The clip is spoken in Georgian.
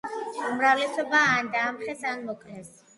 უმრავლესობა ან დაამხეს, ან მოკლეს.